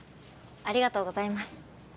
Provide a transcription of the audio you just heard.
ありがとうございます。